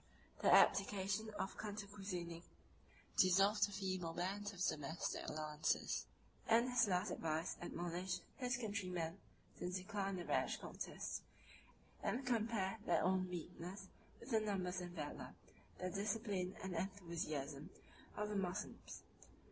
The abdication of Cantacuzene dissolved the feeble bands of domestic alliance; and his last advice admonished his countrymen to decline a rash contest, and to compare their own weakness with the numbers and valor, the discipline and enthusiasm, of the Moslems.